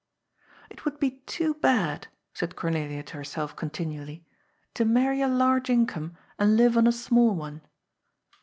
" It would be too bad," said Cornelia to herself continu ally, '^ to marry a large income and live on a small one."